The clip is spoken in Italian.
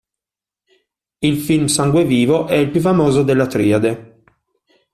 Il film Sangue vivo è il più famoso della triade.